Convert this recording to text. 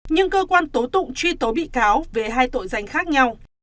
nhưng cơ quan tố tụng truy tố bị cáo về hai tội danh khác nhau